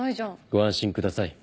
ご安心ください。